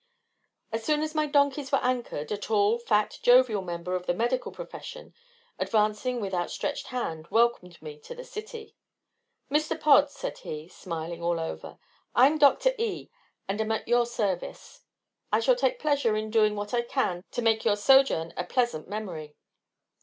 As soon as my donkeys were anchored, a tall, fat, jovial member of the medical profession, advancing with outstretched hand, welcomed me to the city. "Mr. Pod," said he, smiling all over, "I'm Dr. E and am at your service. I shall take pleasure in doing what I can to make your sojourn a pleasant memory."